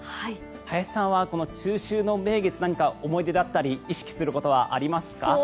林さんはこの中秋の名月何か思い出だったり意識することはありますか？